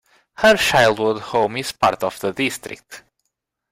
Her childhood home is part of the district.